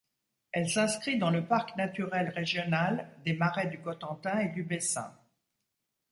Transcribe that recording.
Elle s'inscrit dans le parc naturel régional des Marais du Cotentin et du Bessin.